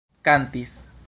kantis